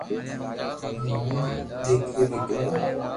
ھين ھون ڊ ڪري ديکاڙو